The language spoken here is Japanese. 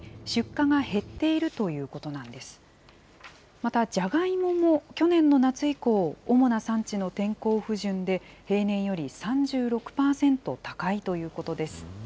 またじゃがいもも去年の夏以降、主な産地の天候不順で、平年より３６％高いということです。